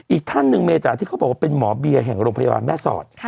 อีกท่านหนึ่งเมจ๋าที่เขาบอกว่าเป็นหมอเบียแห่งโรงพยาบาลแม่สอด